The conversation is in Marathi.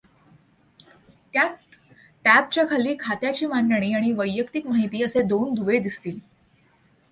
त्यात टॅब च्या खाली खात्याची मांडणी आणि वैयक्तिक माहिती असे दोन दुवे दिसतील.